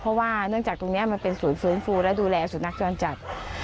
เพราะว่าเนื่องจากตรงนี้มันเป็นศูนย์ฟื้นฟูและดูแลสุนัขจรจัด